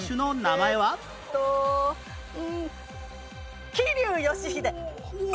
うーん桐生祥秀。